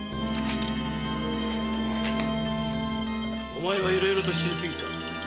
おまえはいろいろと知りすぎた。